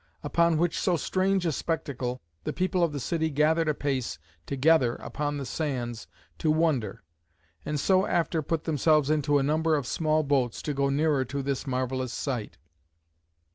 Upon which so strange a spectacle, the people of the city gathered apace together upon the sands, to wonder; and so after put themselves into a number of small boats, to go nearer to this marvellous sight.